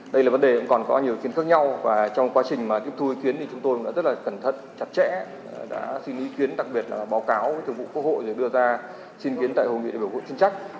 đây là vấn đề còn có nhiều ý kiến khác nhau và trong quá trình tiếp thu ý kiến thì chúng tôi đã rất là cẩn thận chặt chẽ đã xin ý kiến đặc biệt là báo cáo thường vụ quốc hội rồi đưa ra xin kiến tại hội nghị đại biểu quốc trình